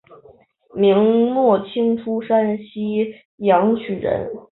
明末清初山西阳曲人。